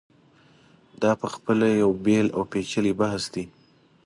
دا په خپله یو بېل او پېچلی بحث دی.